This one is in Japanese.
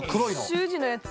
習字のやつ。